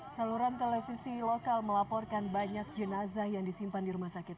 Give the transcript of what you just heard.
saluran televisi lokal melaporkan banyak jenazah yang disimpan di rumah sakit